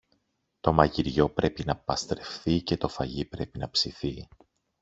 Το μαγειριό πρέπει να παστρευθεί και το φαγί πρέπει να ψηθεί.